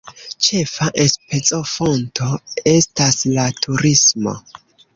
Ĉefa enspezofonto estas la turismo.